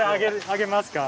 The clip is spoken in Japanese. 上げますよ。